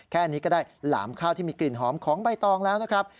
แค่นี้ก็ได้หลามข้าวที่มีกลิ่นหอมของใบตองแล้วนะครับ